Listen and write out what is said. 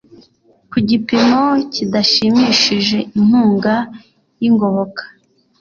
ku gipimo kidashimishije Inkunga y ingoboka